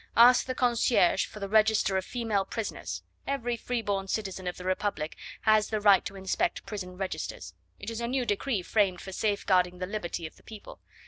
Ask the concierge for the register of female prisoners every freeborn citizen of the Republic has the right to inspect prison registers. It is a new decree framed for safeguarding the liberty of the people.